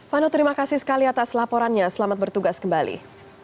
vano terima kasih sekali atas laporannya selamat bertugas kembali